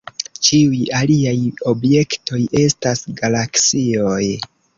Ĉiuj aliaj objektoj, estas galaksioj.